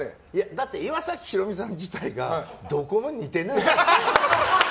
だって、岩崎宏美さん自体がどこも似てない。